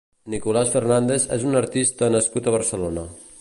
Nicolás Fernández és un artista nascut a Barcelona.